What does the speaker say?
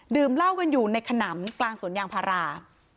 เหล้ากันอยู่ในขนำกลางสวนยางพารา